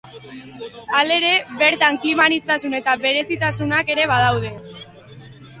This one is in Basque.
Halere, bertan klima aniztasun eta berezitasunak ere badaude.